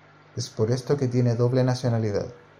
Es por esto que tiene doble nacionalidad.